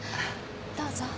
どうぞ。